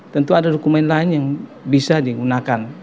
tentu ada dokumen lain yang bisa digunakan